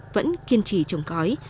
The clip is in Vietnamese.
vẫn kiên trì trồng cõi